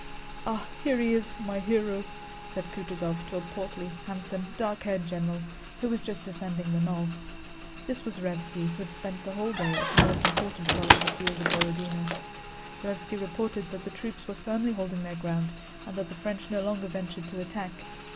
"Ah, here he is, my hero!" said Kutúzov to a portly, handsome, dark haired general who was just ascending the knoll. This was Raévski, who had spent the whole day at the most important part of the field of Borodinó. Raévski reported that the troops were firmly holding their ground and that the French no longer ventured to attack.